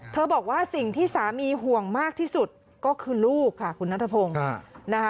บอกว่าสิ่งที่สามีห่วงมากที่สุดก็คือลูกค่ะคุณนัทพงศ์นะคะ